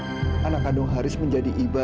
haris tidak mau anak kandung haris menjadi iba